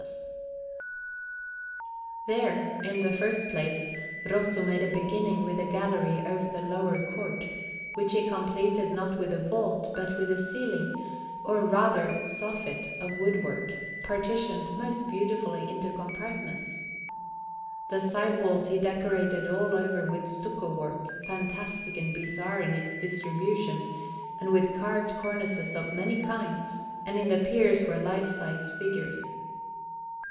Città da Castello: Duomo_) Alinari] There, in the first place, Rosso made a beginning with a gallery over the lower court, which he completed not with a vault, but with a ceiling, or rather, soffit, of woodwork, partitioned most beautifully into compartments. The side walls he decorated all over with stucco work, fantastic and bizarre in its distribution, and with carved cornices of many kinds; and on the piers were lifesize figures.